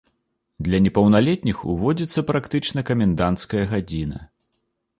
Для непаўналетніх ўводзіцца практычна каменданцкая гадзіна.